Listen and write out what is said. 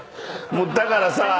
だからさ。